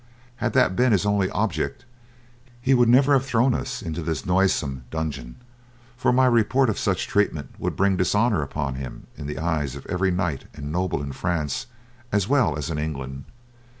Had that been his only object he would never have thrown us into this noisome dungeon, for my report of such treatment would bring dishonour upon him in the eyes of every knight and noble in France as well as in England.